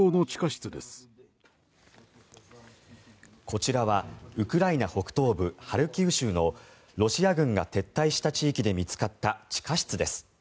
こちらはウクライナ北東部ハルキウ州のロシア軍が撤退した地域で見つかった地下室です。